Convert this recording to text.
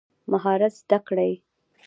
مهارت زده کړئ